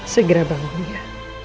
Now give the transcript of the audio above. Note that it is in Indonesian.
segera bangun ya